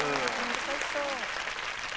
難しそう。